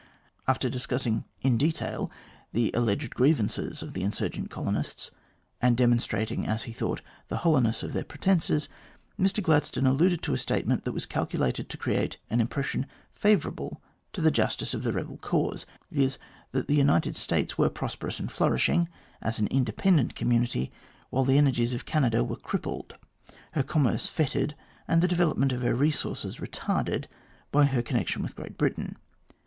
After discussing in detail the alleged grievances of the insurgent colonists, and demonstrat ing, as he thought, the hollowness of their pretences, Mr Gladstone alluded to a statement that was calculated to create an impression favourable to the justice of the rebel cause, viz. that the United States were prosperous and flourishing as an independent community, while the energies of Canada were crippled, her commerce fettered, and the development of her resources retarded by her connection with Great Britain.